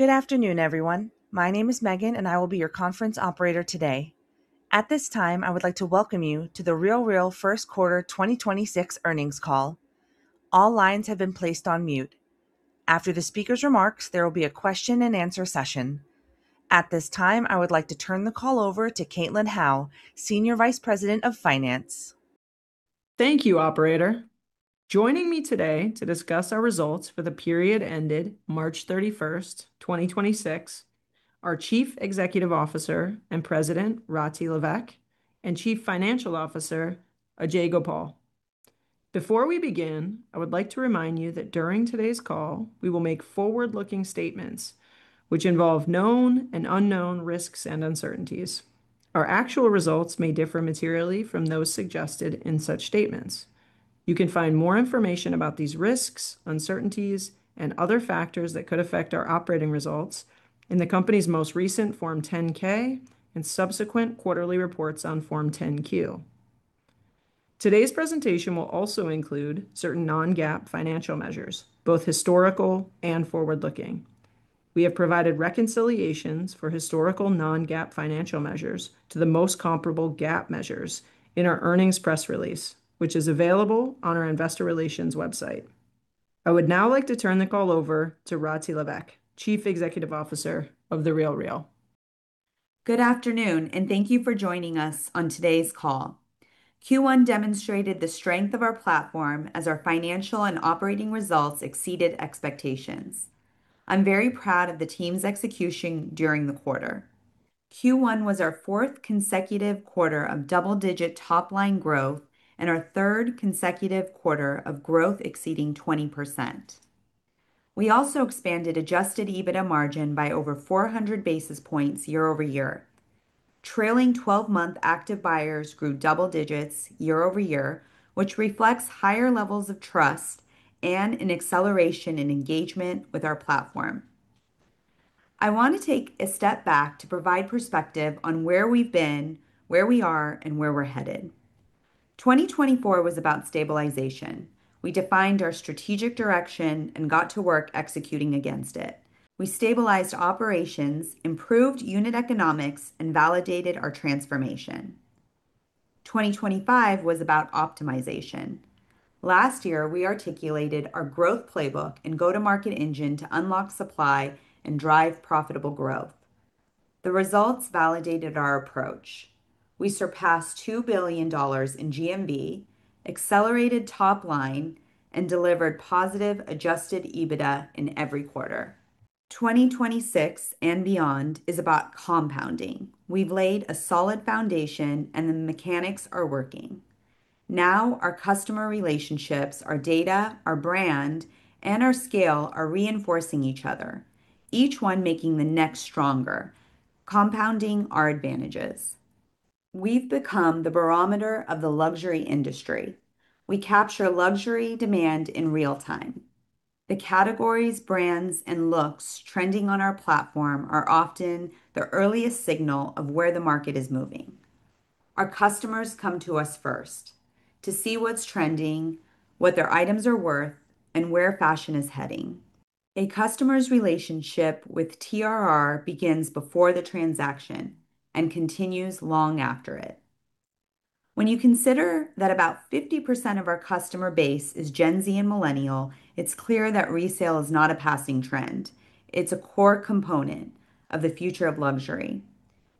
Good afternoon, everyone. My name is Megan, and I will be your conference operator today. At this time, I would like to welcome you to The RealReal First Quarter 2026 Earnings Call. All lines have been placed on mute. After the speaker's remarks, there will be a question and answer session. At this time, I would like to turn the call over to Caitlin Howe, Senior Vice President of Finance. Thank you, operator. Joining me today to discuss our results for the period ended March 31st, 2026, are Chief Executive Officer and President, Rati Levesque, and Chief Financial Officer, Ajay Gopal. Before we begin, I would like to remind you that during today's call, we will make forward-looking statements which involve known and unknown risks and uncertainties. Our actual results may differ materially from those suggested in such statements. You can find more information about these risks, uncertainties, and other factors that could affect our operating results in the company's most recent Form 10-K and subsequent quarterly reports on Form 10-Q. Today's presentation will also include certain non-GAAP financial measures, both historical and forward-looking. We have provided reconciliations for historical non-GAAP financial measures to the most comparable GAAP measures in our earnings press release, which is available on our investor relations website. I would now like to turn the call over to Rati Levesque, Chief Executive Officer of The RealReal. Good afternoon, and thank you for joining us on today's call. Q1 demonstrated the strength of our platform as our financial and operating results exceeded expectations. I'm very proud of the team's execution during the quarter. Q1 was our fourth consecutive quarter of double-digit top-line growth and our third consecutive quarter of growth exceeding 20%. We also expanded adjusted EBITDA margin by over 400 basis points year-over-year. Trailing 12-month active buyers grew double digits year-over-year, which reflects higher levels of trust and an acceleration in engagement with our platform. I want to take a step back to provide perspective on where we've been, where we are, and where we're headed. 2024 was about stabilization. We defined our strategic direction and got to work executing against it. We stabilized operations, improved unit economics, and validated our transformation. 2025 was about optimization. Last year, we articulated our growth playbook and go-to-market engine to unlock supply and drive profitable growth. The results validated our approach. We surpassed $2 billion in GMV, accelerated top line, and delivered positive adjusted EBITDA in every quarter. 2026 and beyond is about compounding. We've laid a solid foundation, and the mechanics are working. Now, our customer relationships, our data, our brand, and our scale are reinforcing each other, each one making the next stronger, compounding our advantages. We've become the barometer of the luxury industry. We capture luxury demand in real time. The categories, brands, and looks trending on our platform are often the earliest signal of where the market is moving. Our customers come to us first to see what's trending, what their items are worth, and where fashion is heading. A customer's relationship with TRR begins before the transaction and continues long after it. When you consider that about 50% of our customer base is Gen Z and millennial, it's clear that resale is not a passing trend. It's a core component of the future of luxury.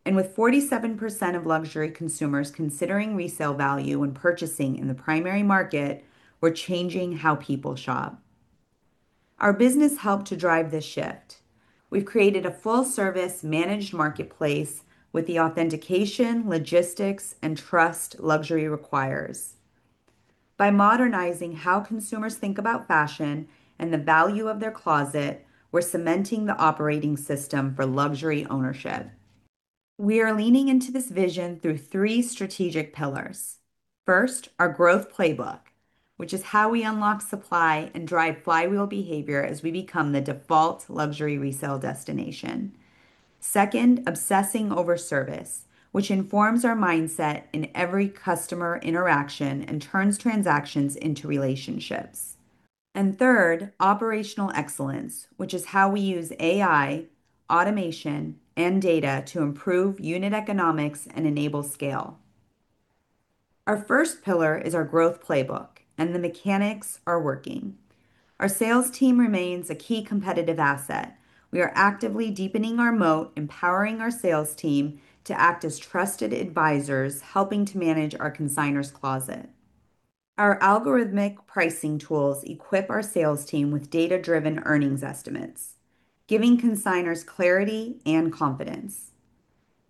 With 47% of luxury consumers considering resale value when purchasing in the primary market, we're changing how people shop. Our business helped to drive this shift. We've created a full-service managed marketplace with the authentication, logistics, and trust luxury requires. By modernizing how consumers think about fashion and the value of their closet, we're cementing the operating system for luxury ownership. We are leaning into this vision through three strategic pillars. First, our growth playbook, which is how we unlock supply and drive flywheel behavior as we become the default luxury resale destination. Second, obsessing over service, which informs our mindset in every customer interaction and turns transactions into relationships. Third, operational excellence, which is how we use AI, automation, and data to improve unit economics and enable scale. Our first pillar is our growth playbook, and the mechanics are working. Our sales team remains a key competitive asset. We are actively deepening our moat, empowering our sales team to act as trusted advisors, helping to manage our consignor's closet. Our algorithmic pricing tools equip our sales team with data-driven earnings estimates, giving consignors clarity and confidence.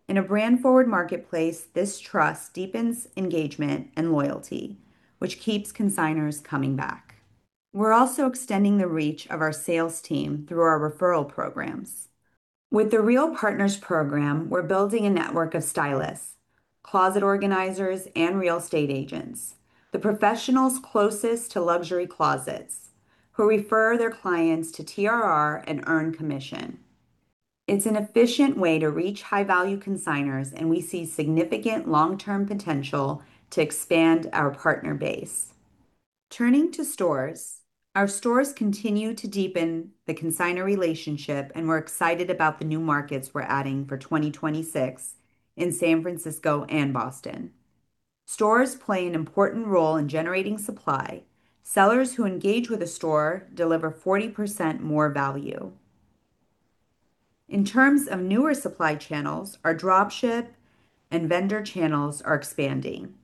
In a brand-forward marketplace, this trust deepens engagement and loyalty, which keeps consignors coming back. We're also extending the reach of our sales team through our referral programs. With the Real Partners program, we're building a network of stylists, closet organizers, and real estate agents, the professionals closest to luxury closets, who refer their clients to TRR and earn commission. It's an efficient way to reach high-value consignors, and we see significant long-term potential to expand our partner base. Turning to stores. Our stores continue to deepen the consignor relationship, and we're excited about the new markets we're adding for 2026 in San Francisco and Boston. Stores play an important role in generating supply. Sellers who engage with a store deliver 40% more value. In terms of newer supply channels, our drop ship and vendor channels are expanding.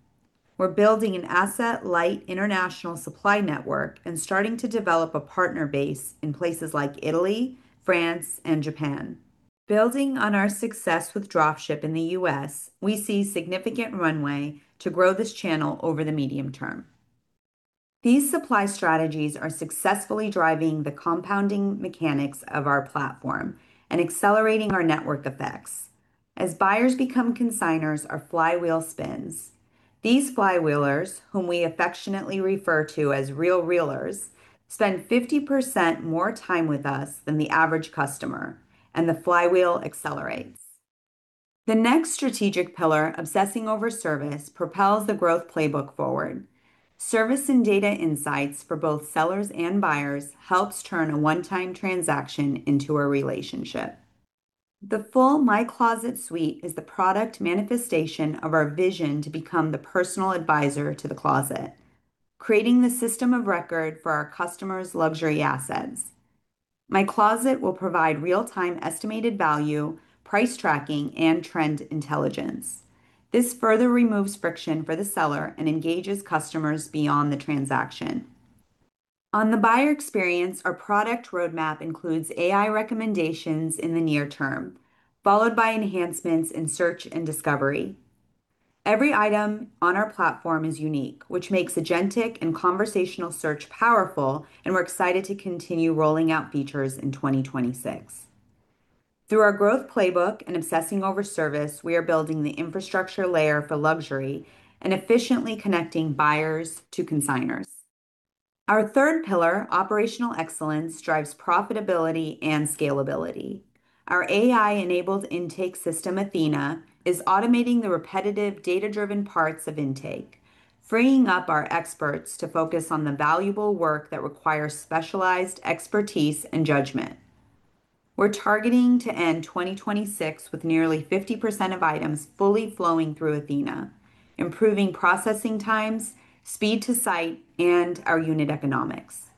We're building an asset-light international supply network and starting to develop a partner base in places like Italy, France, and Japan. Building on our success with drop ship in the U.S., we see significant runway to grow this channel over the medium term. These supply strategies are successfully driving the compounding mechanics of our platform and accelerating our network effects. As buyers become consigners, our flywheel spins. These flywheelers, whom we affectionately refer to as RealRealers, spend 50% more time with us than the average customer. The flywheel accelerates. The next strategic pillar, obsessing over service, propels the growth playbook forward. Service and data insights for both sellers and buyers helps turn a one-time transaction into a relationship. The full MyCloset suite is the product manifestation of our vision to become the personal advisor to the closet, creating the system of record for our customers' luxury assets. MyCloset will provide real-time estimated value, price tracking, and trend intelligence. This further removes friction for the seller and engages customers beyond the transaction. On the buyer experience, our product roadmap includes AI recommendations in the near term, followed by enhancements in search and discovery. Every item on our platform is unique, which makes agentic and conversational search powerful, and we're excited to continue rolling out features in 2026. Through our growth playbook and obsessing over service, we are building the infrastructure layer for luxury and efficiently connecting buyers to consigners. Our third pillar, operational excellence, drives profitability and scalability. Our AI-enabled intake system, Athena, is automating the repetitive data-driven parts of intake, freeing up our experts to focus on the valuable work that requires specialized expertise and judgment. We're targeting to end 2026 with nearly 50% of items fully flowing through Athena, improving processing times, speed to site, and our unit economics.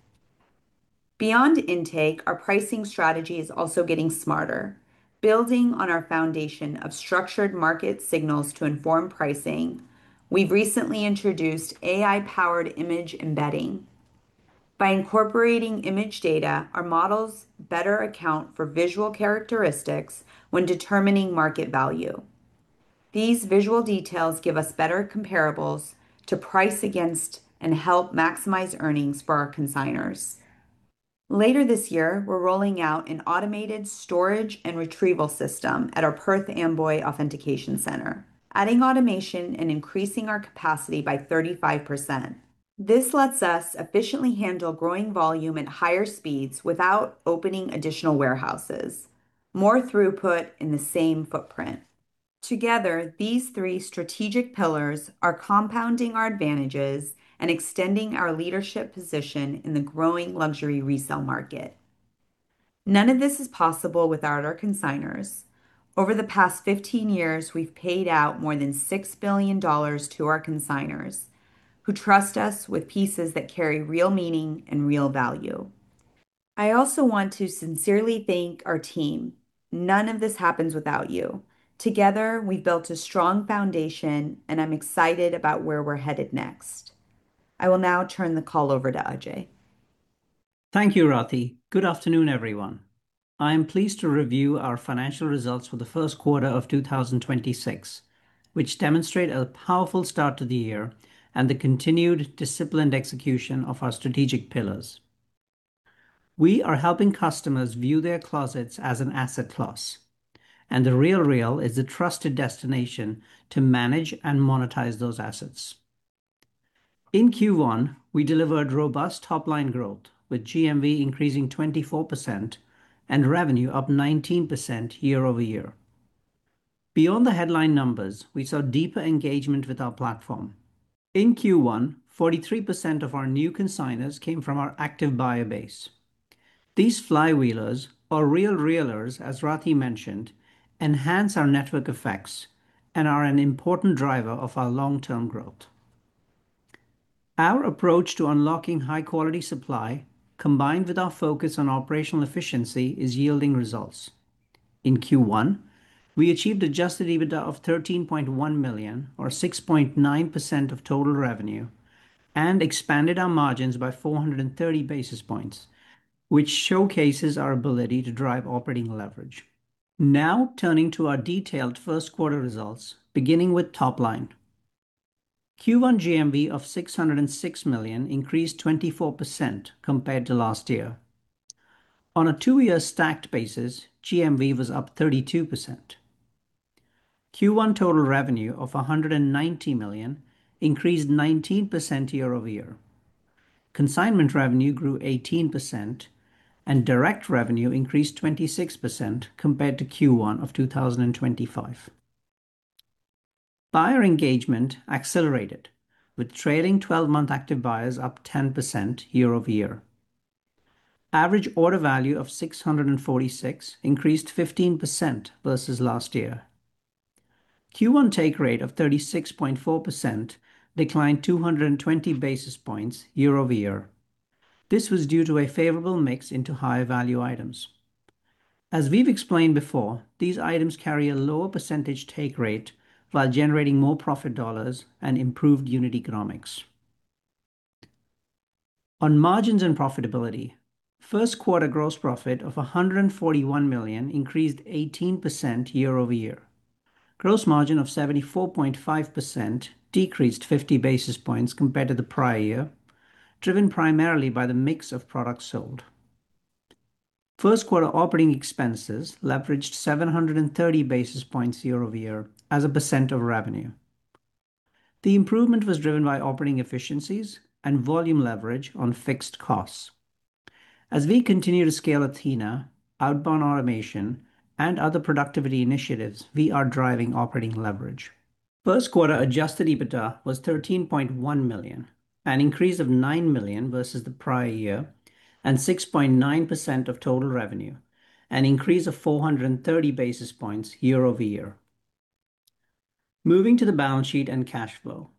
Beyond intake, our pricing strategy is also getting smarter. Building on our foundation of structured market signals to inform pricing, we've recently introduced AI-powered image embedding. By incorporating image data, our models better account for visual characteristics when determining market value. These visual details give us better comparables to price against and help maximize earnings for our consigners. Later this year, we're rolling out an automated storage and retrieval system at our Perth Amboy authentication center, adding automation and increasing our capacity by 35%. This lets us efficiently handle growing volume at higher speeds without opening additional warehouses. More throughput in the same footprint. Together, these three strategic pillars are compounding our advantages and extending our leadership position in the growing luxury resale market. None of this is possible without our consigners. Over the past 15 years, we've paid out more than $6 billion to our consigners, who trust us with pieces that carry real meaning and real value. I also want to sincerely thank our team. None of this happens without you. Together, we've built a strong foundation, and I'm excited about where we're headed next. I will now turn the call over to Ajay. Thank you, Rati. Good afternoon, everyone. I am pleased to review our financial results for the first quarter of 2026, which demonstrate a powerful start to the year and the continued disciplined execution of our strategic pillars. We are helping customers view their closets as an asset class, and The RealReal is the trusted destination to manage and monetize those assets. In Q1, we delivered robust top-line growth, with GMV increasing 24% and revenue up 19% year-over-year. Beyond the headline numbers, we saw deeper engagement with our platform. In Q1, 43% of our new consigners came from our active buyer base. These flywheelers or RealRealers, as Rati mentioned, enhance our network effects and are an important driver of our long-term growth. Our approach to unlocking high-quality supply, combined with our focus on operational efficiency, is yielding results. In Q1, we achieved adjusted EBITDA of $13.1 million or 6.9% of total revenue and expanded our margins by 430 basis points, which showcases our ability to drive operating leverage. Turning to our detailed first quarter results, beginning with top line. Q1 GMV of $606 million increased 24% compared to last year. On a two-year stacked basis, GMV was up 32%. Q1 total revenue of $190 million increased 19% year-over-year. Consignment revenue grew 18%, and direct revenue increased 26% compared to Q1 of 2025. Buyer engagement accelerated, with trailing 12-month active buyers up 10% year-over-year. Average order value of $646 increased 15% versus last year. Q1 take rate of 36.4% declined 220 basis points year-over-year. This was due to a favorable mix into higher value items. As we've explained before, these items carry a lower percentage take rate while generating more profit dollars and improved unit economics. On margins and profitability, first quarter gross profit of $141 million increased 18% year-over-year. Gross margin of 74.5% decreased 50 basis points compared to the prior year, driven primarily by the mix of products sold. First quarter operating expenses leveraged 730 basis points year-over-year as a percent of revenue. The improvement was driven by operating efficiencies and volume leverage on fixed costs. As we continue to scale Athena, outbound automation, and other productivity initiatives, we are driving operating leverage. First quarter adjusted EBITDA was $13.1 million, an increase of $9 million versus the prior year, and 6.9% of total revenue, an increase of 430 basis points year-over-year. Moving to the balance sheet and cash flow.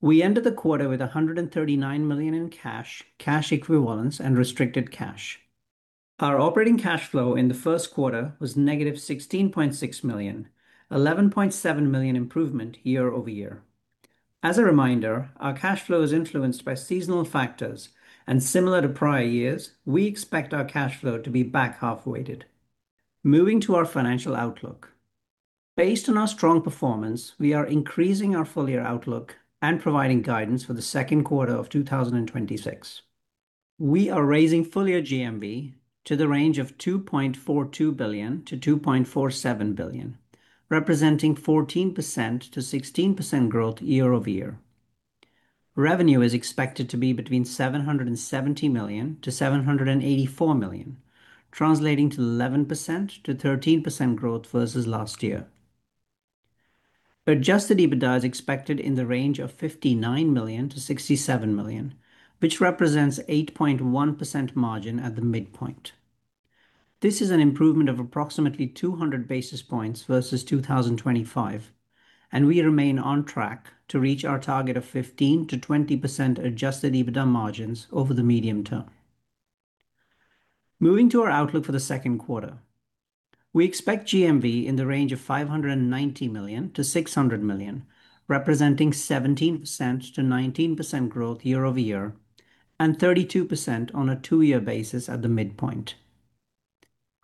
We ended the quarter with $139 million in cash equivalents and restricted cash. Our operating cash flow in the first quarter was -$16.6 million, $11.7 million improvement year-over-year. As a reminder, our cash flow is influenced by seasonal factors, and similar to prior years, we expect our cash flow to be back half weighted. Moving to our financial outlook. Based on our strong performance, we are increasing our full-year outlook and providing guidance for the second quarter of 2026. We are raising full-year GMV to the range of $2.42 billion-$2.47 billion, representing 14%-16% growth year-over-year. Revenue is expected to be between $770 million-$784 million, translating to 11%-13% growth versus last year. Adjusted EBITDA is expected in the range of $59 million-$67 million, which represents 8.1% margin at the midpoint. This is an improvement of approximately 200 basis points versus 2025, and we remain on track to reach our target of 15%-20% adjusted EBITDA margins over the medium term. Moving to our outlook for the second quarter. We expect GMV in the range of $590 million-$600 million, representing 17%-19% growth year-over-year, and 32% on a two-year basis at the midpoint.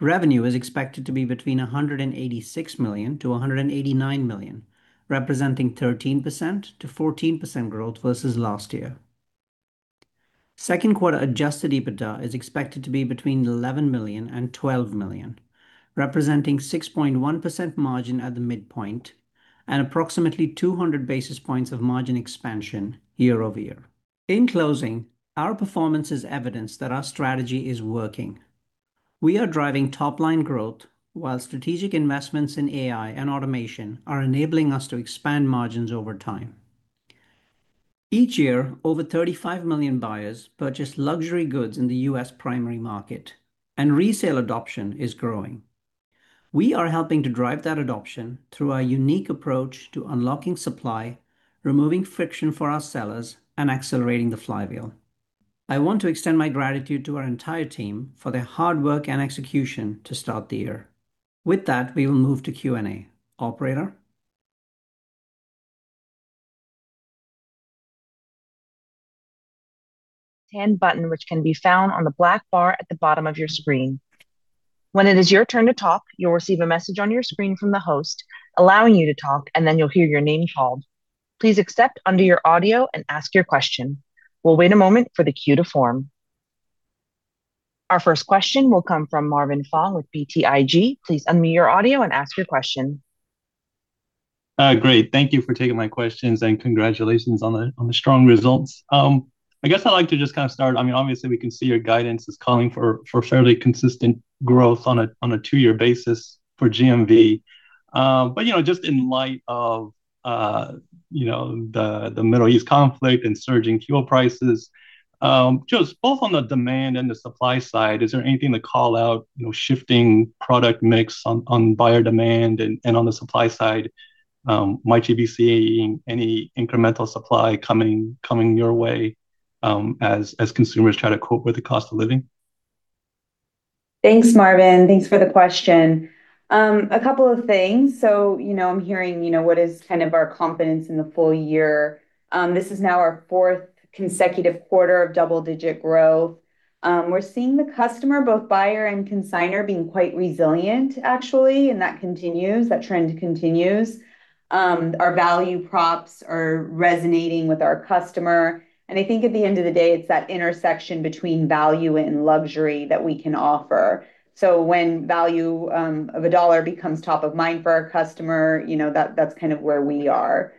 Revenue is expected to be between $186 million-$189 million, representing 13%-14% growth versus last year. Second quarter adjusted EBITDA is expected to be between $11 million and $12 million, representing 6.1% margin at the midpoint and approximately 200 basis points of margin expansion year-over-year. In closing, our performance is evidence that our strategy is working. We are driving top-line growth while strategic investments in AI and automation are enabling us to expand margins over time. Each year, over 35 million buyers purchase luxury goods in the U.S. primary market, and resale adoption is growing. We are helping to drive that adoption through our unique approach to unlocking supply, removing friction for our sellers, and accelerating the flywheel. I want to extend my gratitude to our entire team for their hard work and execution to start the year. With that, we will move to Q&A. Operator? Hand button, which can be found on the black bar at the bottom of your screen. When it is your turn to talk, you'll receive a message on your screen from the host allowing you to talk, and then you'll hear your name called. Please accept unmute your audio and ask your question. We'll wait a moment for the queue to form. Our first question will come from Marvin Fong with BTIG. Please unmute your audio and ask your question. Great. Thank you for taking my questions, and congratulations on the strong results. I guess I'd like to just kind of start I mean, obviously, we can see your guidance is calling for fairly consistent growth on a two-year basis for GMV. You know, just in light of, you know, the Middle East conflict and surging fuel prices, just both on the demand and the supply side, is there anything to call out, you know, shifting product mix on buyer demand and on the supply side, might you be seeing any incremental supply coming your way, as consumers try to cope with the cost of living? Thanks, Marvin. Thanks for the question. A couple of things. I'm hearing, you know, what is kind of our confidence in the full year. This is now our fourth consecutive quarter of double-digit growth. We're seeing the customer, both buyer and consignor, being quite resilient actually, and that continues. That trend continues. Our value props are resonating with our customer, and I think at the end of the day, it's that intersection between value and luxury that we can offer. When value, of a dollar becomes top of mind for our customer, you know, that's kind of where we are.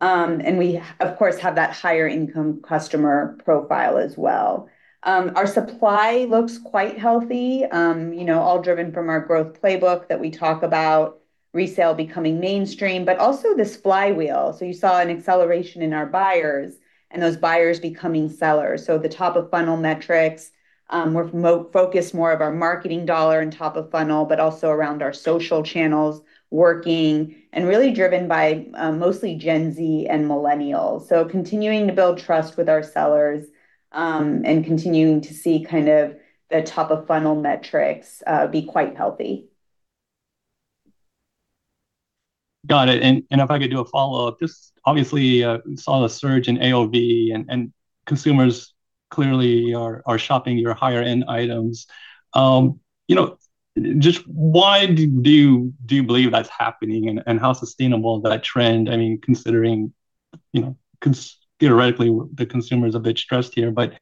We of course have that higher income customer profile as well. Our supply looks quite healthy, you know, all driven from our growth playbook that we talk about resale becoming mainstream, also this flywheel. You saw an acceleration in our buyers, and those buyers becoming sellers. The top of funnel metrics, we're focused more of our marketing dollar on top of funnel, but also around our social channels working, and really driven by mostly Gen Z and millennials. Continuing to build trust with our sellers, and continuing to see kind of the top of funnel metrics be quite healthy. Got it. If I could do a follow-up. Just obviously, we saw the surge in AOV, and consumers clearly are shopping your higher-end items. You know, just why do you believe that's happening, and how sustainable is that trend? I mean, considering, you know, theoretically, the consumer's a bit stressed here, but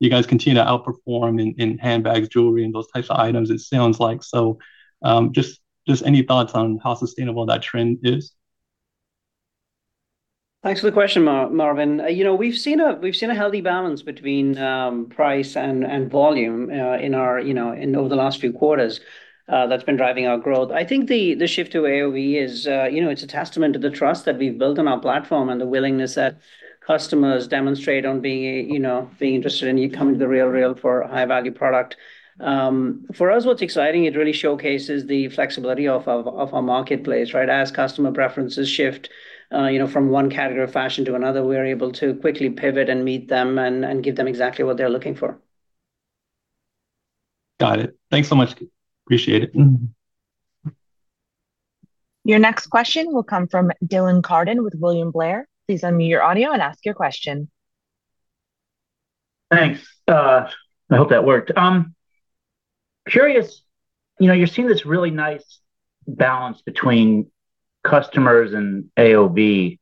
you guys continue to outperform in handbags, jewelry, and those types of items it sounds like. Just any thoughts on how sustainable that trend is? Thanks for the question, Marvin. You know, we've seen a healthy balance between price and volume in our, you know, in over the last few quarters, that's been driving our growth. I think the shift to AOV is, you know, it's a testament to the trust that we've built on our platform and the willingness that customers demonstrate on being, you know, interested in coming to The RealReal for a high-value product. For us, what's exciting, it really showcases the flexibility of our marketplace, right? As customer preferences shift, you know, from one category of fashion to another, we are able to quickly pivot and meet them and give them exactly what they're looking for. Got it. Thanks so much. Appreciate it. Your next question will come from Dylan Carden with William Blair. Please unmute your audio and ask your question. Thanks. I hope that worked. Curious, you know, you're seeing this really nice balance between customers and AOV,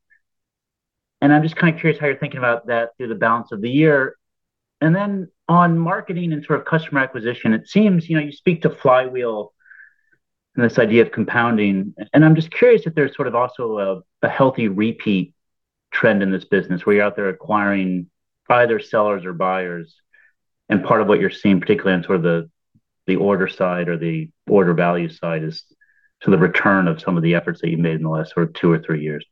and I'm just kind of curious how you're thinking about that through the balance of the year. Then on marketing and sort of customer acquisition, it seems, you know, you speak to flywheel and this idea of compounding, and I'm just curious if there's also a healthy repeat trend in this business where you're out there acquiring either sellers or buyers, and part of what you're seeing, particularly on the order side or the order value side, is sort of the return of some of the efforts that you made in the last sort of two or three years.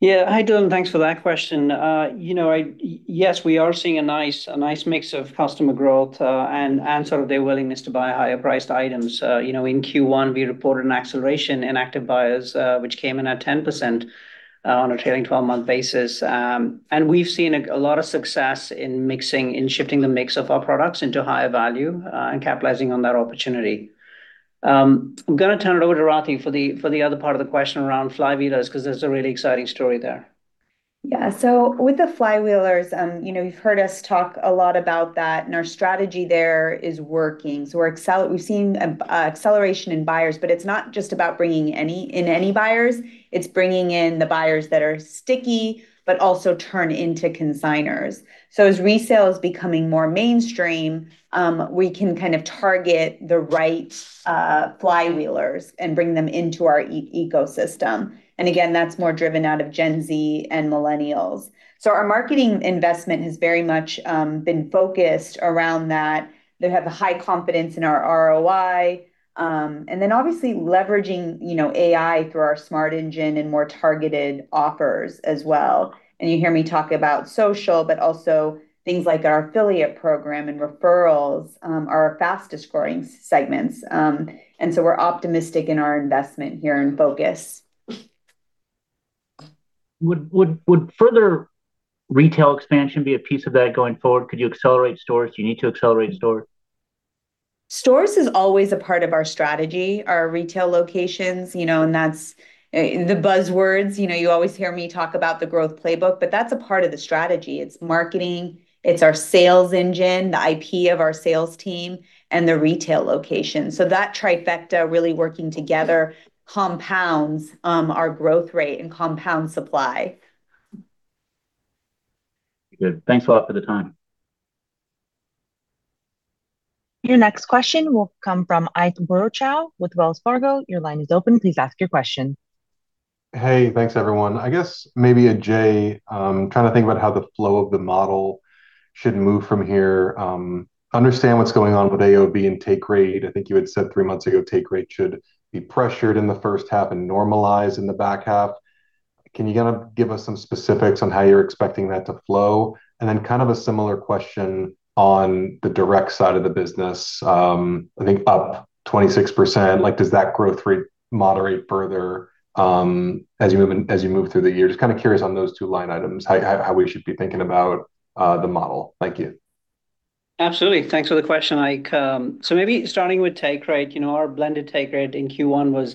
Yeah. Hi, Dylan. Thanks for that question. You know, yes, we are seeing a nice mix of customer growth and sort of their willingness to buy higher priced items. You know, in Q1 we reported an acceleration in active buyers, which came in at 10% on a trailing 12-month basis. We've seen a lot of success in shifting the mix of our products into higher value and capitalizing on that opportunity. I'm going to turn it over to Rati for the other part of the question around RealRealers, because there's a really exciting story there. Yeah. With the flywheelers, you know, you've heard us talk a lot about that, and our strategy there is working. We've seen an acceleration in buyers, but it's not just about bringing in any buyers. It's bringing in the buyers that are sticky, but also turn into consigners. As resale is becoming more mainstream, we can kind of target the right flywheelers and bring them into our ecosystem. Again, that's more driven out of Gen Z and millennials. Our marketing investment has very much been focused around that. They have a high confidence in our ROI, and then obviously leveraging, you know, AI through our Smart Engine and more targeted offers as well. You hear me talk about social, but also things like our affiliate program and referrals are our fastest growing segments. We're optimistic in our investment here and focus. Would further retail expansion be a piece of that going forward? Could you accelerate stores? Do you need to accelerate stores? Stores is always a part of our strategy. Our retail locations, you know, that's the buzzwords. You know, you always hear me talk about the growth playbook, that's a part of the strategy. It's marketing, it's our sales engine, the IP of our sales team, and the retail location. That trifecta really working together compounds our growth rate and compounds supply. Good. Thanks a lot for the time. Your next question will come from Ike Boruchow with Wells Fargo. Your line is open. Please ask your question. Hey. Thanks, everyone. I guess maybe Ajay. I'm trying to think about how the flow of the model should move from here. Understand what's going on with AOV and take rate. I think you had said three months ago take rate should be pressured in the first half and normalize in the back half. Can you kind of give us some specifics on how you're expecting that to flow? Kind of a similar question on the direct side of the business. I think up 26%. Like, does that growth rate moderate further as you move through the year? Just kind of curious on those two line items, how we should be thinking about the model. Thank you. Absolutely. Thanks for the question, Ike. Maybe starting with take rate. You know, our blended take rate in Q1 was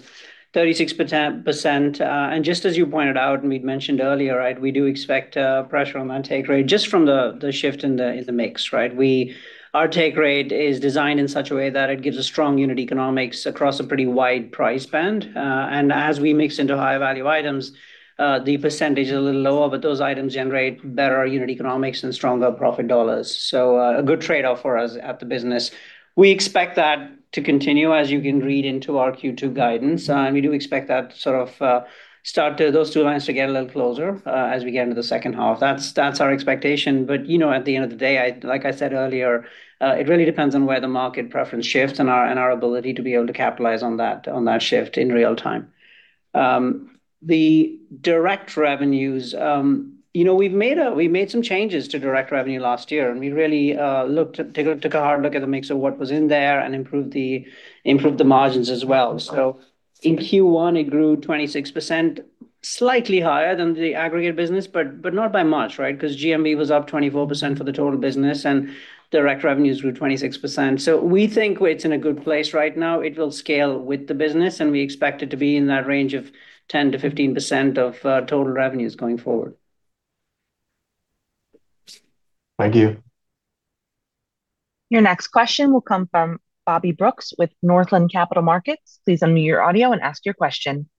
36%. Just as you pointed out and we'd mentioned earlier, right, we do expect pressure on take rate just from the shift in the mix, right? Our take rate is designed in such a way that it gives a strong unit economics across a pretty wide price band. As we mix into higher value items, the percentage is a little lower, but those items generate better unit economics and stronger profit dollars. A good trade-off for us at the business. We expect that to continue, as you can read into our Q2 guidance. We do expect that to sort of start to, those two lines to get a little closer as we get into the second half. That's our expectation. You know, at the end of the day, I, like I said earlier, it really depends on where the market preference shifts and our ability to be able to capitalize on that shift in real time. The direct revenues, you know, we made some changes to direct revenue last year, we really took a hard look at the mix of what was in there and improved the margins as well. In Q1 it grew 26%. Slightly higher than the aggregate business, but not by much, right? Because GMV was up 24% for the total business, and direct revenues were 26%. We think it's in a good place right now. It will scale with the business, and we expect it to be in that range of 10%-15% of total revenues going forward. Thank you. Your next question will come from Bobby Brooks with Northland Capital Markets. Please unmute your audio and ask your question.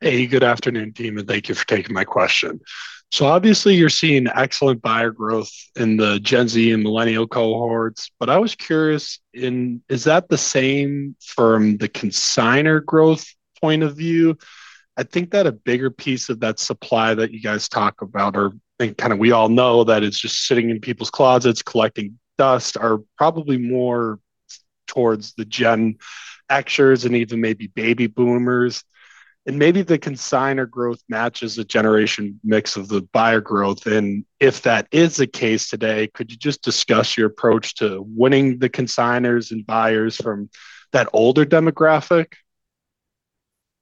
Hey, good afternoon, team, and thank you for taking my question. Obviously you're seeing excellent buyer growth in the Gen Z and Millennial cohorts, but I was curious in, is that the same from the consigner growth point of view? I think that a bigger piece of that supply that you guys talk about are, I think, kind of we all know that it's just sitting in people's closets collecting dust, are probably more towards the Gen Xers and even maybe baby boomers. Maybe the consigner growth matches the generation mix of the buyer growth. If that is the case today, could you just discuss your approach to winning the consigners and buyers from that older demographic?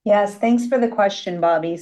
Yes. Thanks for the question, Bobby.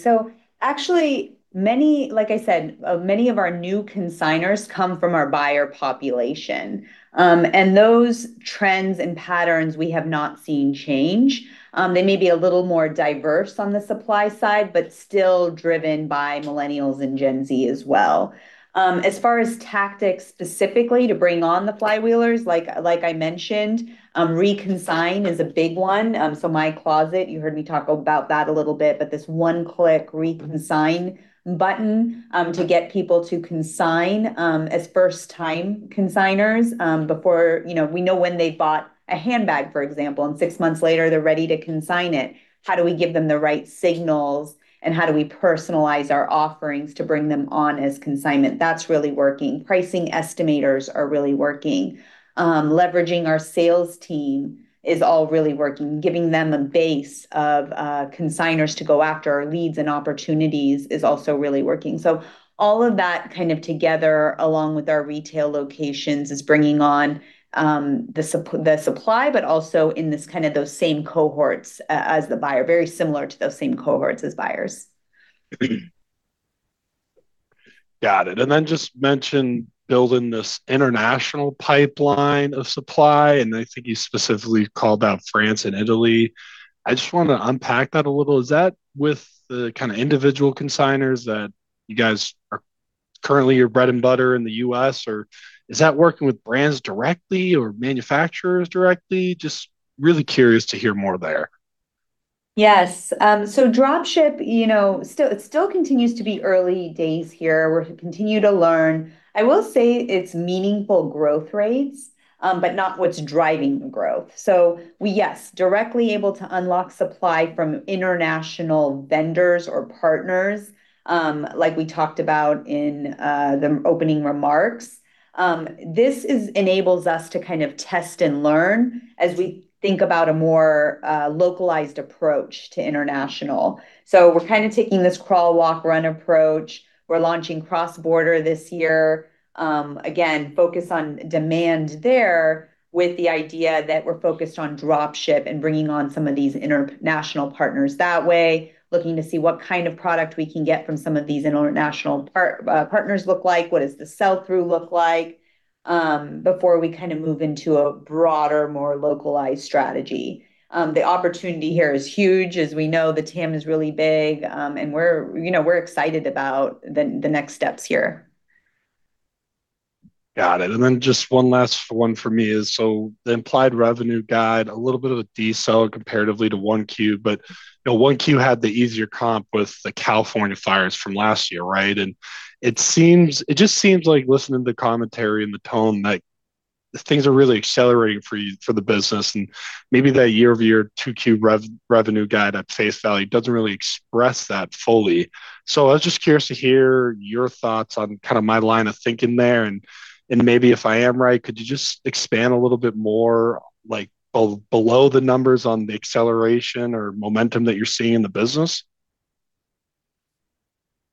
Actually, many, like I said, many of our new consigners come from our buyer population. Those trends and patterns we have not seen change. They may be a little more diverse on the supply side, but still driven by Millennials and Gen Z as well. As far as tactics specifically to bring on the flywheelers, like I mentioned, Reconsign is a big one. My Closet, you heard me talk about that a little bit. This one-click Reconsign button to get people to consign as first-time consigners before You know, we know when they bought a handbag, for example, and six months later they're ready to consign it. How do we give them the right signals, and how do we personalize our offerings to bring them on as consignment? That's really working. Pricing estimators are really working. Leveraging our sales team is all really working. Giving them a base of consignors to go after, or leads and opportunities, is also really working. All of that kind of together, along with our retail locations, is bringing on the supply, but also in this kind of those same cohorts as the buyer. Very similar to those same cohorts as buyers. Got it. Just mention building this international pipeline of supply, and I think you specifically called out France and Italy. I just want to unpack that a little. Is that with the kind of individual consigners that you guys are currently your bread and butter in the U.S., or is that working with brands directly or manufacturers directly? Just really curious to hear more there. Drop ship, you know, it still continues to be early days here. We're continue to learn. I will say it's meaningful growth rates, not what's driving the growth. We, yes, directly able to unlock supply from international vendors or partners, like we talked about in the opening remarks. This enables us to kind of test and learn as we think about a more localized approach to international. We're kind of taking this crawl, walk, run approach. We're launching cross border this year. Again, focus on demand there with the idea that we're focused on drop ship and bringing on some of these international partners that way. Looking to see what kind of product we can get from some of these international partners look like, what does the sell through look like, before we kind of move into a broader, more localized strategy. The opportunity here is huge. As we know, the TAM is really big, and we're, you know, we're excited about the next steps here. Got it. Just one last one for me is, the implied revenue guide, a little bit of a decel comparatively to 1Q. You know, 1Q had the easier comp with the California fires from last year, right? It just seems like listening to the commentary and the tone, like things are really accelerating for you, for the business. Maybe that year-over-year 2Q revenue guide at face value doesn't really express that fully. I was just curious to hear your thoughts on kind of my line of thinking there, and maybe if I am right. Could you just expand a little bit more, like below the numbers on the acceleration or momentum that you're seeing in the business?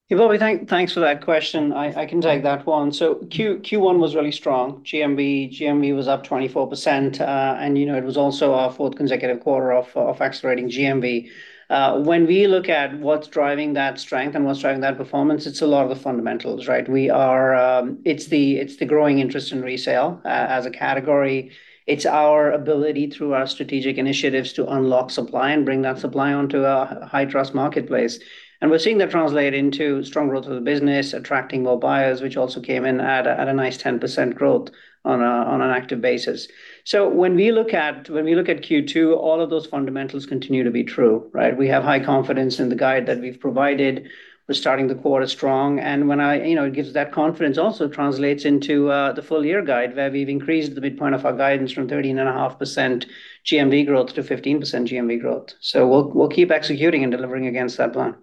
Yeah, Bobby, thanks for that question. I can take that one. Q1 was really strong. GMV was up 24%, you know, it was also our fourth consecutive quarter of accelerating GMV. When we look at what's driving that strength and what's driving that performance, it's a lot of the fundamentals, right? We are, it's the growing interest in resale as a category. It's our ability through our strategic initiatives to unlock supply and bring that supply onto a high trust marketplace. We're seeing that translate into strong growth of the business, attracting more buyers, which also came in at a nice 10% growth on an active basis. When we look at Q2, all of those fundamentals continue to be true, right? We have high confidence in the guide that we've provided. We're starting the quarter strong. When You know, that confidence also translates into the full year guide, where we've increased the midpoint of our guidance from 13.5% GMV growth to 15% GMV growth. We'll keep executing and delivering against that plan.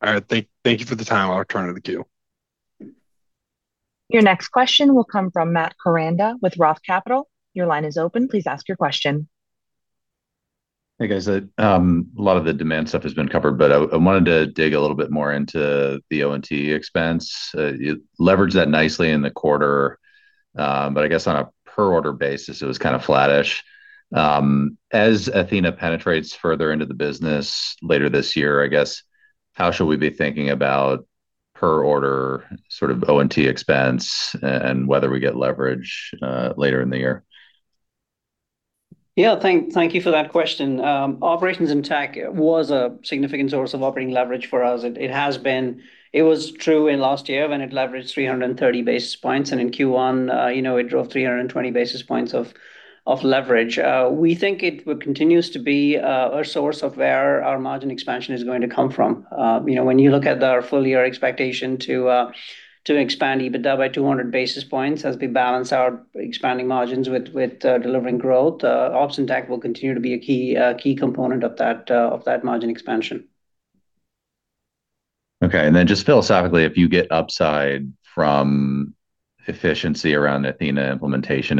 All right. Thank you for the time. I'll turn to the queue. Your next question will come from Matt Koranda with ROTH Capital. Your line is open. Please ask your question. Hey, guys. A lot of the demand stuff has been covered, but I wanted to dig a little bit more into the O&T expense. You leveraged that nicely in the quarter. I guess on a per order basis, it was kind of flattish. As Athena penetrates further into the business later this year, I guess, how should we be thinking about per order sort of O&T expense and whether we get leverage later in the year. Thank you for that question. Operations and tech was a significant source of operating leverage for us. It has been. It was true in last year when it leveraged 330 basis points, and in Q1, you know, it drove 320 basis points of leverage. We think it continues to be a source of where our margin expansion is going to come from. You know, when you look at our full-year expectation to expand EBITDA by 200 basis points as we balance our expanding margins with delivering growth, ops and tech will continue to be a key component of that margin expansion. Okay. Then just philosophically, if you get upside from efficiency around Athena implementation,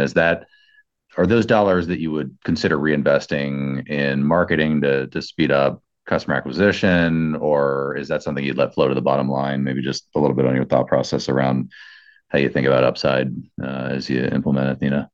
Are those dollars that you would consider reinvesting in marketing to speed up customer acquisition, or is that something you'd let flow to the bottom line? Maybe just a little bit on your thought process around how you think about upside as you implement Athena.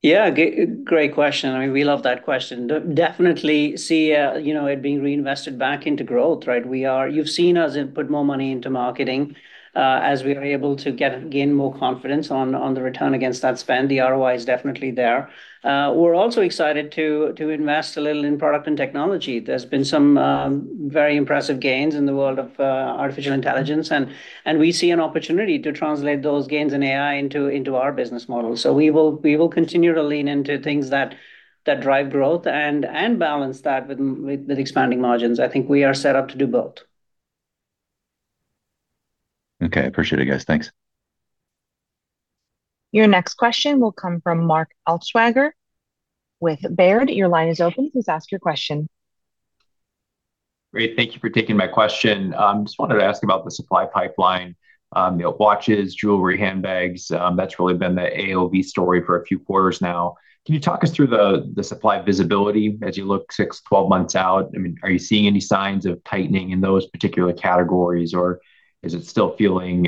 Yeah. Great question. I mean, we love that question. Definitely see, you know, it being reinvested back into growth, right? You've seen us put more money into marketing, as we are able to gain more confidence on the return against that spend. The ROI is definitely there. We're also excited to invest a little in product and technology. There's been some very impressive gains in the world of artificial intelligence and we see an opportunity to translate those gains in AI into our business model. We will continue to lean into things that drive growth and balance that with expanding margins. I think we are set up to do both. Okay. Appreciate it, guys. Thanks. Your next question will come from Mark Altschwager with Baird. Your line is open. Please ask your question. Great. Thank you for taking my question. Just wanted to ask about the supply pipeline. You know, watches, jewelry, handbags, that's really been the AOV story for a few quarters now. Can you talk us through the supply visibility as you look six, 12 months out? I mean, are you seeing any signs of tightening in those particular categories, or is it still feeling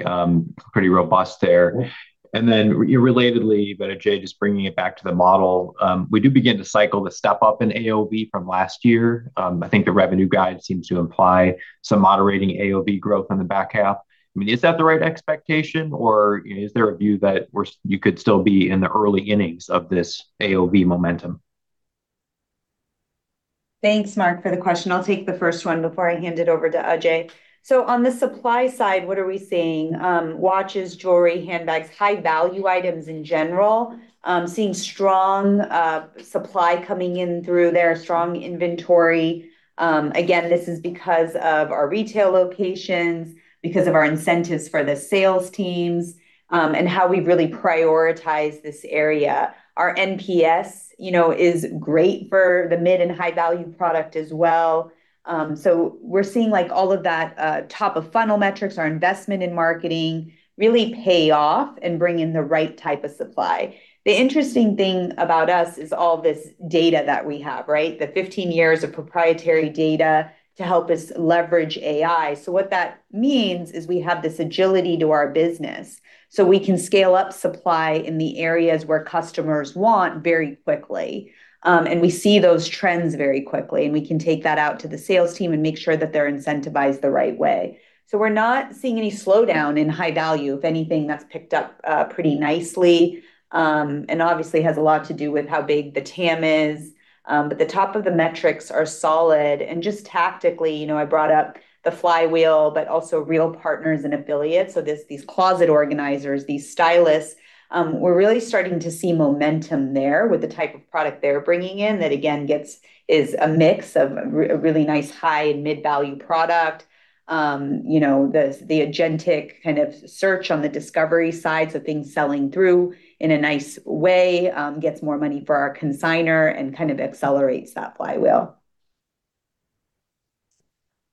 pretty robust there? Relatedly, Ajay, just bringing it back to the model, we do begin to cycle the step up in AOV from last year. I think the revenue guide seems to imply some moderating AOV growth on the back half. I mean, is that the right expectation, or, you know, is there a view that we're, you could still be in the early innings of this AOV momentum? Thanks, Mark, for the question. I'll take the first one before I hand it over to Ajay. On the supply side, what are we seeing? Watches, jewelry, handbags, high-value items in general, seeing strong supply coming in through their strong inventory. Again, this is because of our retail locations, because of our incentives for the sales teams, and how we've really prioritized this area. Our NPS, you know, is great for the mid and high-value product as well. We're seeing, like, all of that, top-of-funnel metrics, our investment in marketing really pay off and bring in the right type of supply. The interesting thing about us is all this data that we have, right? The 15 years of proprietary data to help us leverage AI. What that means is we have this agility to our business, so we can scale up supply in the areas where customers want very quickly. We see those trends very quickly, and we can take that out to the sales team and make sure that they're incentivized the right way. We're not seeing any slowdown in high value. If anything, that's picked up pretty nicely. Obviously has a lot to do with how big the TAM is. The top of the metrics are solid. Just tactically, you know, I brought up the flywheel, but also Real Partners and affiliates. This, these closet organizers, these stylists, we're really starting to see momentum there with the type of product they're bringing in that again gets is a mix of really nice high and mid-value product. You know, the agentic kind of search on the discovery side, so things selling through in a nice way, gets more money for our consignor and kind of accelerates that flywheel.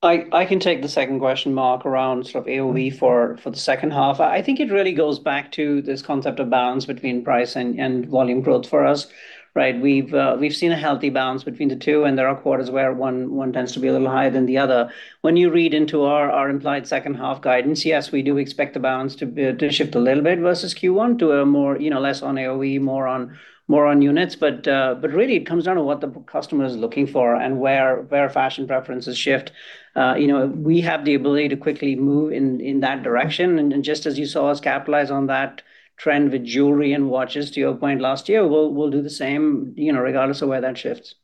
I can take the second question, Mark, around sort of AOV for the second half. I think it really goes back to this concept of balance between price and volume growth for us, right? We've seen a healthy balance between the two. There are quarters where one tends to be a little higher than the other. When you read into our implied second half guidance, yes, we do expect the balance to shift a little bit versus Q1 to a more, you know, less on AOV, more on units. Really it comes down to what the customer is looking for and where fashion preferences shift. You know, we have the ability to quickly move in that direction. Just as you saw us capitalize on that trend with jewelry and watches, to your point last year, we'll do the same, you know, regardless of where that shifts.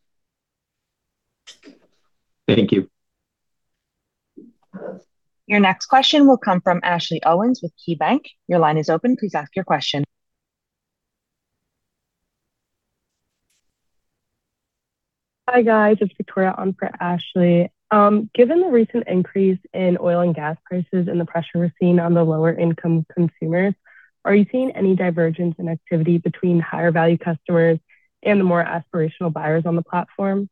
Thank you. Your next question will come from Ashley Owens with KeyBanc. Your line is open. Please ask your question. Hi, guys. It's Victoria on for Ashley. Given the recent increase in oil and gas prices and the pressure we're seeing on the lower income consumers, are you seeing any divergence in activity between higher value customers and the more aspirational buyers on the platform?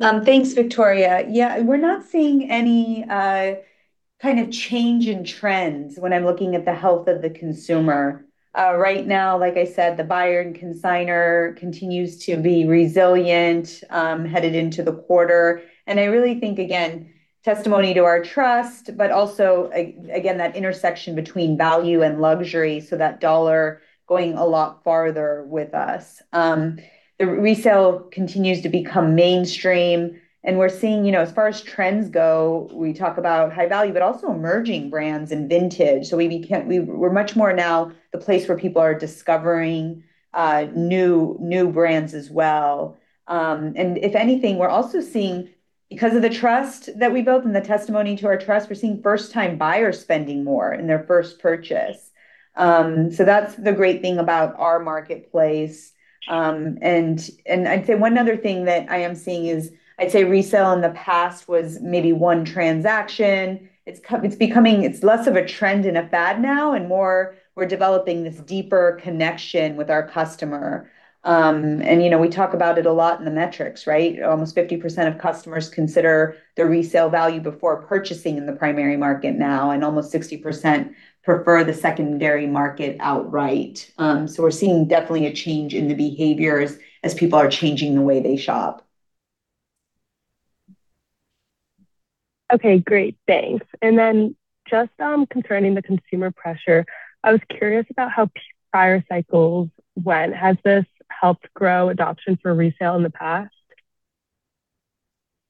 Thanks, Victoria. Yeah, we're not seeing any kind of change in trends when I'm looking at the health of the consumer. Right now, like I said, the buyer and consignor continues to be resilient, headed into the quarter. I really think, again, testimony to our trust, but also again, that intersection between value and luxury, so that dollar going a lot farther with us. The resale continues to become mainstream, and we're seeing, you know, as far as trends go, we talk about high value, but also emerging brands and vintage. We're much more now the place where people are discovering new brands as well. If anything, we're also seeing. Because of the trust that we built and the testimony to our trust, we're seeing first-time buyers spending more in their first purchase. That's the great thing about our marketplace. I'd say one other thing that I am seeing is, I'd say resale in the past was maybe one transaction. It's becoming it's less of a trend and a fad now, and more we're developing this deeper connection with our customer. You know, we talk about it a lot in the metrics, right? Almost 50% of customers consider the resale value before purchasing in the primary market now, and almost 60% prefer the secondary market outright. We're seeing definitely a change in the behaviors as people are changing the way they shop. Okay, great. Thanks. Just concerning the consumer pressure, I was curious about how prior cycles went. Has this helped grow adoption for resale in the past?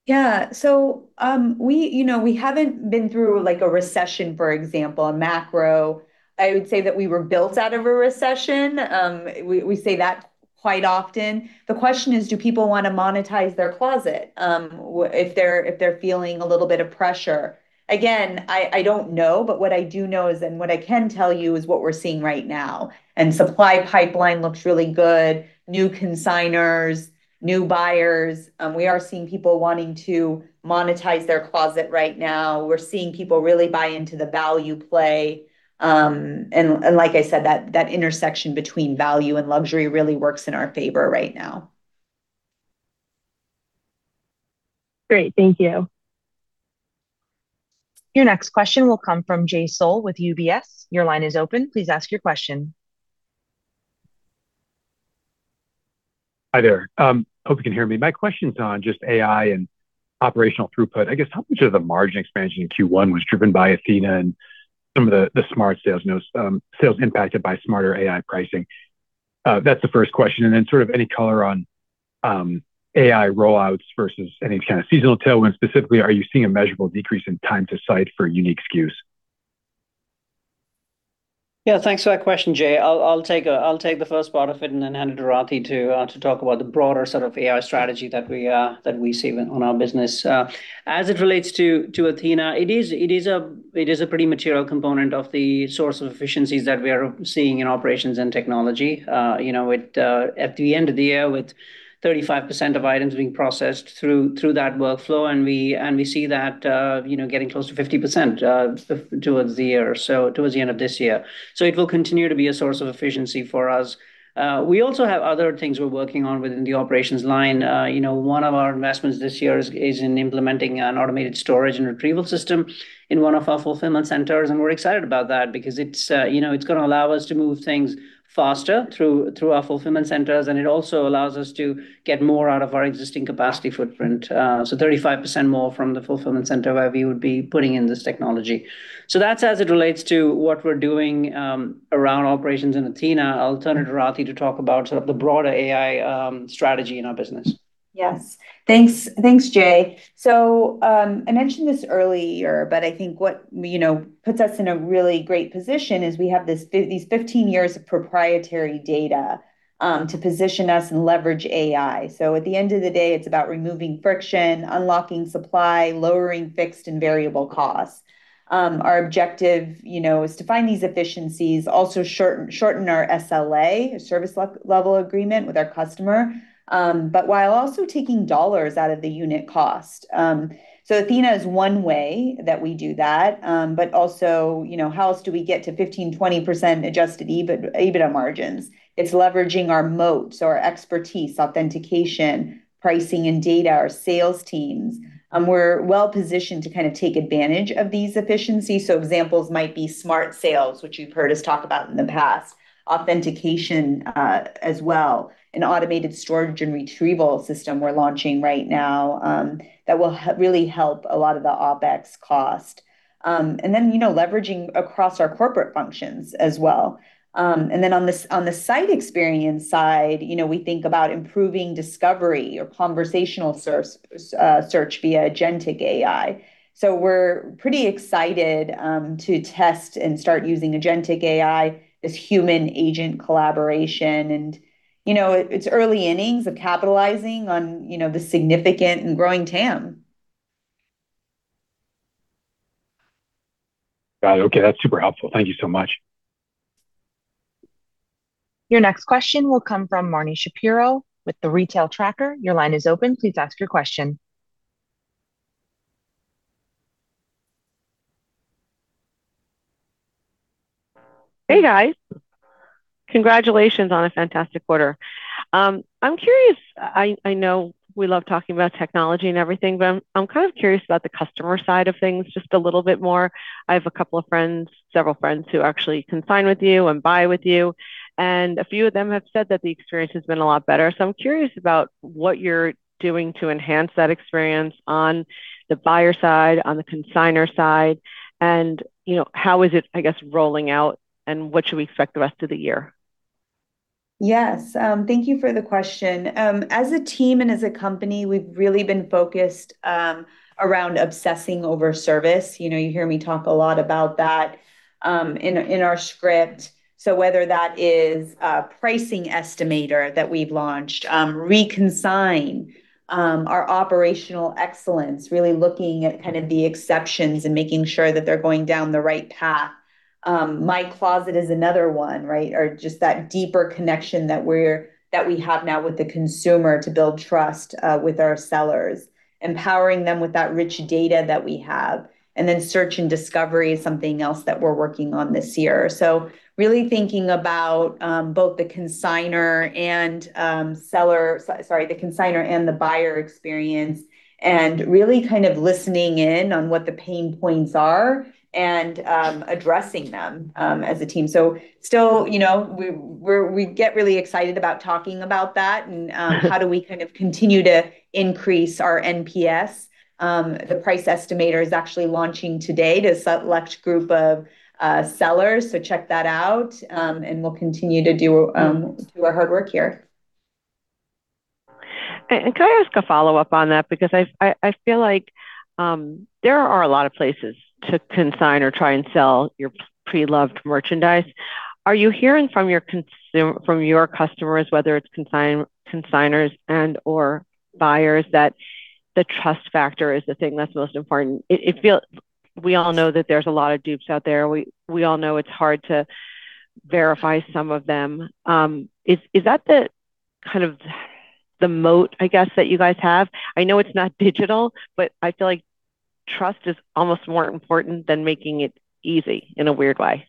We, you know, we haven't been through, like, a recession, for example, a macro. I would say that we were built out of a recession. We say that quite often. The question is, do people wanna monetize their closet if they're feeling a little bit of pressure? I don't know, but what I do know is, and what I can tell you is what we're seeing right now, and supply pipeline looks really good, new consignors, new buyers. We are seeing people wanting to monetize their closet right now. We're seeing people really buy into the value play. Like I said, that intersection between value and luxury really works in our favor right now. Great. Thank you. Your next question will come from Jay Sole with UBS. Your line is open. Please ask your question. Hi there. Hope you can hear me. My question's on just AI and operational throughput. I guess, how much of the margin expansion in Q1 was driven by Athena and some of the Smart Sales, you know, some sales impacted by smarter AI pricing? That's the first question. Sort of any color on AI rollouts versus any kind of seasonal tailwind. Specifically, are you seeing a measurable decrease in time to site for unique SKUs? Yeah. Thanks for that question, Jay. I'll take the first part of it and then hand it to Rati to talk about the broader sort of AI strategy that we see in, on our business. As it relates to Athena, it is a pretty material component of the source of efficiencies that we are seeing in operations and technology. You know, with at the end of the year, with 35% of items being processed through that workflow, and we see that, you know, getting close to 50% towards the year, so towards the end of this year. It will continue to be a source of efficiency for us. We also have other things we're working on within the operations line. You know, one of our investments this year is in implementing an automated storage and retrieval system in one of our fulfillment centers, and we're excited about that because it's, you know, it's going to allow us to move things faster through our fulfillment centers, and it also allows us to get more out of our existing capacity footprint. 35% more from the fulfillment center where we would be putting in this technology. That's as it relates to what we're doing around operations in Athena. I'll turn to Rati to talk about sort of the broader AI strategy in our business. Yes. Thanks. Thanks, Jay. I mentioned this earlier, but I think what, you know, puts us in a really great position is we have these 15 years of proprietary data to position us and leverage AI. At the end of the day, it's about removing friction, unlocking supply, lowering fixed and variable costs. Our objective, you know, is to find these efficiencies, also shorten our SLA, service level agreement with our customer, but while also taking dollars out of the unit cost. Athena is one way that we do that, but also, you know, how else do we get to 15%-20% adjusted EBITDA margins? It's leveraging our moats, our expertise, authentication, pricing and data, our sales teams. We're well-positioned to kind of take advantage of these efficiencies. Examples might be Smart Sales, which you've heard us talk about in the past. Authentication as well. An automated storage and retrieval system we're launching right now, that will really help a lot of the OpEx cost. You know, leveraging across our corporate functions as well. On the site experience side, you know, we think about improving discovery or conversational search via agentic AI. We're pretty excited to test and start using agentic AI, this human agent collaboration, and, you know, it's early innings of capitalizing on, you know, the significant and growing TAM. Got it. Okay, that's super helpful. Thank you so much. Your next question will come from Marni Shapiro with The Retail Tracker. Your line is open. Please ask your question. Hey, guys. Congratulations on a fantastic quarter. I'm curious. I know we love talking about technology and everything, but I'm kind of curious about the customer side of things just a little bit more. I have a couple of friends, several friends, who actually consign with you and buy with you, and a few of them have said that the experience has been a lot better. I'm curious about what you're doing to enhance that experience on the buyer side, on the consignor side, and, you know, how is it, I guess, rolling out, and what should we expect the rest of the year? Yes. Thank you for the question. As a team and as a company, we've really been focused around obsessing over service. You know, you hear me talk a lot about that in our script. Whether that is a pricing estimator that we've launched, Reconsign, our operational excellence, really looking at kind of the exceptions and making sure that they're going down the right path. MyCloset is another one, right? Just that deeper connection that we have now with the consumer to build trust with our sellers. Empowering them with that rich data that we have. Search and discovery is something else that we're working on this year. Really thinking about both the consignor and the buyer experience, and really kind of listening in on what the pain points are, and addressing them as a team. Still, you know, we get really excited about talking about that, and how do we kind of continue to increase our NPS. The price estimator is actually launching today to a select group of sellers, so check that out. We'll continue to do our hard work here. Can I ask a follow-up on that? Because I feel like there are a lot of places to consign or try and sell your pre-loved merchandise. Are you hearing from your customers, whether it's consignors and/or buyers, that the trust factor is the thing that's most important? We all know that there's a lot of dupes out there. We all know it's hard to verify some of them. Is that the, kind of the moat, I guess, that you guys have? I know it's not digital, I feel like trust is almost more important than making it easy, in a weird way.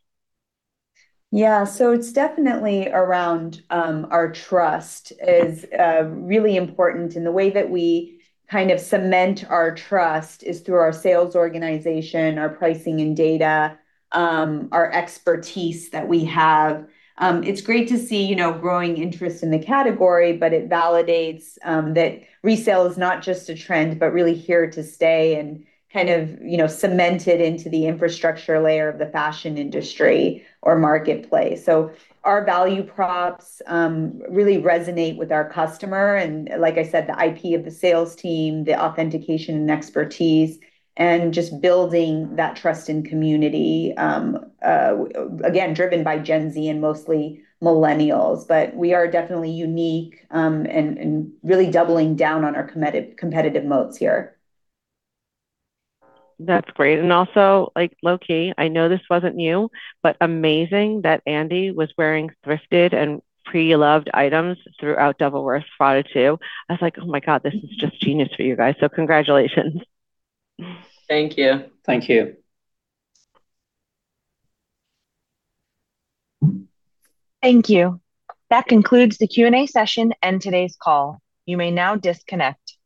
Yeah. It's definitely around, our trust is really important. The way that we kind of cement our trust is through our sales organization, our pricing and data, our expertise that we have. It's great to see, you know, growing interest in the category, but it validates that resale is not just a trend, but really here to stay, and kind of, you know, cemented into the infrastructure layer of the fashion industry or marketplace. Our value props really resonate with our customer and, like I said, the IP of the sales team, the authentication and expertise, and just building that trust in community, again, driven by Gen Z and mostly millennials. We are definitely unique and really doubling down on our competitive moats here. That's great. Also, like low-key, I know this wasn't you, but amazing that Andy was wearing thrifted and pre-loved items throughout Devil Wears Prada too. I was like, "Oh my God, this is just genius for you guys." Congratulations. Thank you. Thank you. Thank you. That concludes the Q&A session and today's call. You may now disconnect.